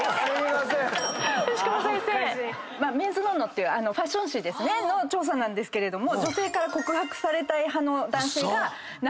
『ＭＥＮ’ＳＮＯＮ−ＮＯ』っていうファッション誌の調査なんですけれども女性から告白されたい派の男性７６％。